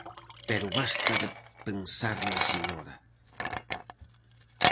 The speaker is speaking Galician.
Pero basta de pensar na señora.